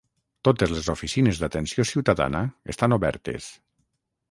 Totes les oficines d'atenció ciutadana estan obertes.